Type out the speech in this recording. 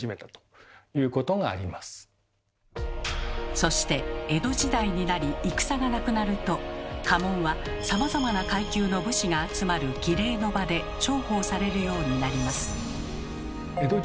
そして江戸時代になり戦がなくなると家紋はさまざまな階級の武士が集まる「儀礼の場」で重宝されるようになります。